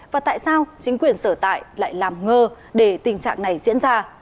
và tại sao chính quyền sở tại lại làm ngơ để tình trạng này diễn ra